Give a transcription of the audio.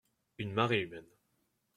Une marée humaine.